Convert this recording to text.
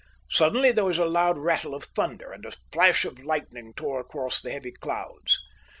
Suddenly there was a loud rattle of thunder, and a flash of lightning tore across the heavy clouds.